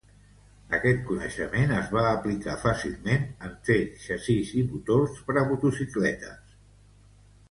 Aquest coneixement es va aplicar fàcilment en fer xassís i motors per a motocicletes.